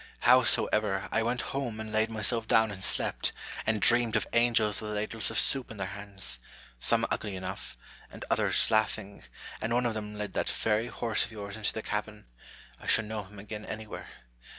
How soever, I went home and laid myself down and slept, and dreamed of angels with ladles of soup in their hands, some ugly enough, and others laughing, and one of them led that very horse of yours into the cabin : I should know him again anywhere.